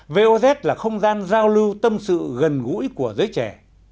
voz là không gian giao lưu tâm sự gần gũi của giới trẻ